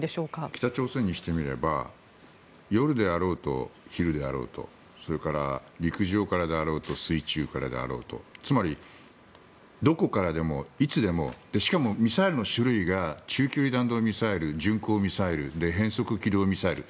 北朝鮮にしてみれば夜であろうと昼であろうとそれから陸上からであろうと水中からであろうとつまり、どこからでもいつでもしかも、ミサイルの種類が中距離弾道ミサイル巡航ミサイルで変則軌道ミサイル。